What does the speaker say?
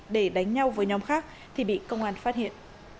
để đánh nhau với nhóm khác thì bị công an phát hiện